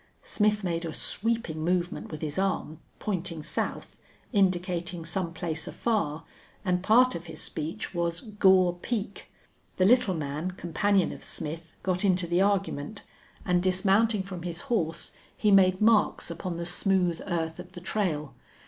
Smith made a sweeping movement with his arm, pointing south, indicating some place afar, and part of his speech was "Gore Peak." The little man, companion of Smith, got into the argument, and, dismounting from his horse, he made marks upon the smooth earth of the trail.